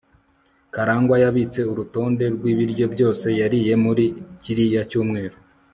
karangwa yabitse urutonde rwibiryo byose yariye muri kiriya cyumweru